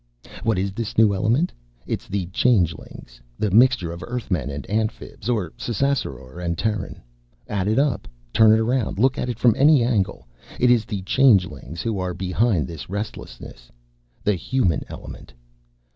What is this new element? It's the Changelings the mixture of Earthmen and Amphibs or Ssassaror and Terran. Add it up. Turn it around. Look at it from any angle. It is the Changelings who are behind this restlessness the Human element.